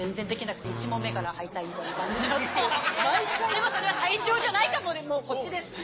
でもそれは体調じゃないかもこっちです。